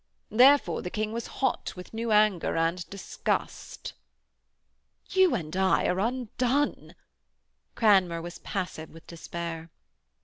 Therefore the King was hot with new anger and disgust.' 'You and I are undone.' Cranmer was passive with despair.